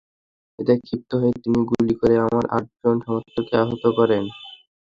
এতে ক্ষিপ্ত হয়ে তিনি গুলি করে আমার আটজন সমর্থককে আহত করেন।